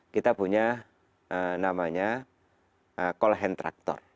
kita punya namanya call hand tractor